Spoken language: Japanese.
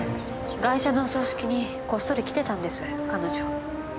ガイシャのお葬式にこっそり来てたんです彼女。